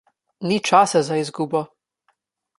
Ni časa za izgubo.